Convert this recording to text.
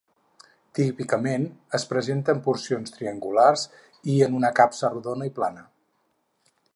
Típicament es presenta en porcions triangulars i en una capsa rodona i plana.